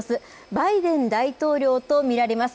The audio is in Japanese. バイデン大統領と見られます。